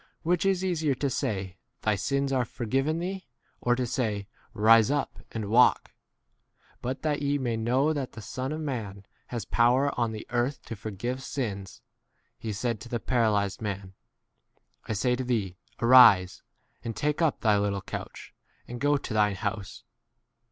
which is easier to say, Thy sins are for given thee ; or to say, Rise up and 21 walk ? But that ye may know that the Son of man has power on the earth to forgive sins, he said to the paralyzed man, I say to thee, Arise, and take up thy little 25 couch and go to thine house.